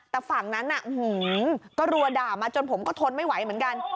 แต่ฝั่งนั้นก็รัวด่ามาจนผมก็ทนไม่ไหวเหมือนกัน